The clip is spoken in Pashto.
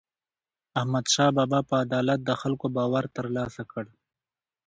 احمدشاه بابا په عدالت د خلکو باور ترلاسه کړ.